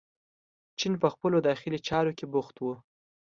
چین په خپلو داخلي چارو کې بوخت و.